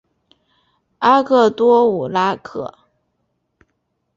阿克多武拉克。